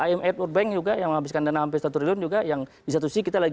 imf world bank juga